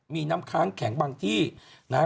มีน้ำค้างแข็งบางที่นะฮะ